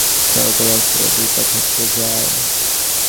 এতে কাভার্ড ভ্যানের চালকের সহকারী আরিফুলের দুই পা থেঁতলে যায়।